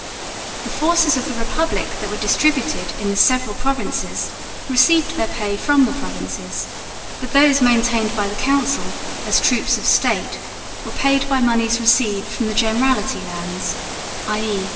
The forces of the republic that were distributed in the several provinces received their pay from the provinces, but those maintained by the Council, as troops of the State, were paid by monies received from the Generality lands, _i.e.